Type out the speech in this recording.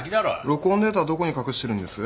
録音データはどこに隠してるんです？